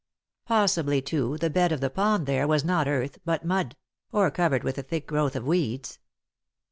Possibly, too, the bed of the pond there was not earth but mud ; or covered with a thick growth of weeds.